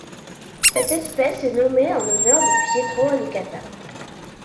Cette espèce est nommée en l'honneur de Pietro Alicata.